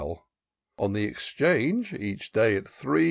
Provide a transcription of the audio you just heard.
S9l On the Exchange^ each day at three.